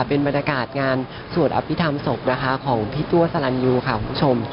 เป็นบรรยากาศงานสวดอภิษฐรรมศพนะคะของพี่ตัวสลันยูค่ะคุณผู้ชม